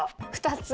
２つ。